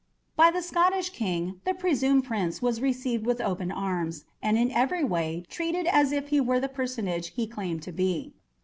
By the Scottish King the presumed prince was received with open arms, and in every way treated as if he were the personage he claimed to be.